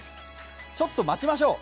ちょっと待ちましょう。